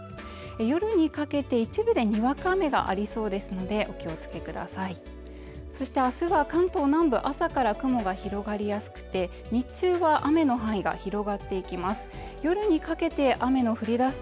夜にかけて一部でにわか雨がありそうですのでお気をつけくださいそして明日は関東南部朝から雲が広がりやすくて日中は雨の範囲が広がっていきます